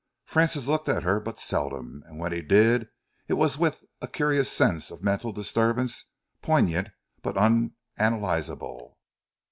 Francis looked at her but seldom, and when he did it was with a curious sense of mental disturbance; poignant but unanalysable.